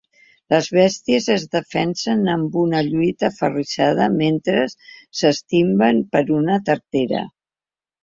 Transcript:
Les bèsties es defensen en una lluita aferrissada mentre s’estimben per una tartera.